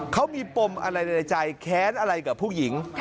เขามีปมอะไรในใจแค้นอะไรกับผู้หญิง